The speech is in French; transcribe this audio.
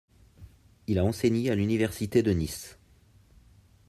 Il a enseigné à l'Université de Nice.